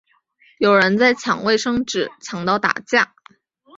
有人在抢卫生纸抢到打架